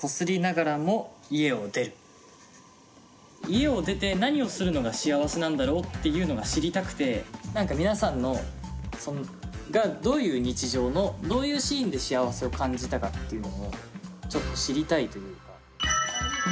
家を出て何をするのが幸せなんだろうっていうのが知りたくて何か皆さんがどういう日常のどういうシーンで幸せを感じたかっていうのをちょっと知りたいというか。